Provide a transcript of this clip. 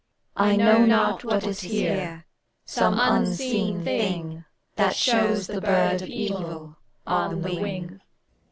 I know not what is here: some unseen thing That shows the Bird of Evil on the wing.